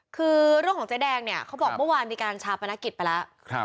คือเรื่องของเจ๊แดงเนี่ยเขาบอกเมื่อวานมีการชาปนกิจไปแล้ว